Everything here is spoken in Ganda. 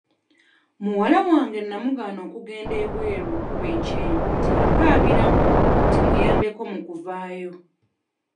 Muwala wange namugaana okugenda ebweru okkuba ekyeyo kati ankaabira nti mmuyambeko mu kuvaayo.